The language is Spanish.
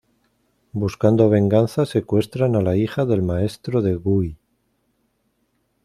Buscando venganza secuestran a la hija del maestro de Guy.